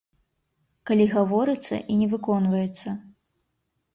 Калі гаворыцца і не выконваецца.